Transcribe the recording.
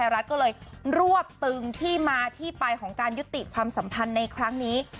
รัฐก็เลยรวบตึงที่มาที่ไปของการยุติความสัมพันธ์ในครั้งนี้